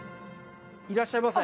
いらっしゃいませ。